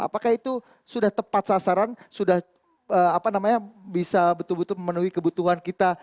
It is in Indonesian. apakah itu sudah tepat sasaran sudah bisa betul betul memenuhi kebutuhan kita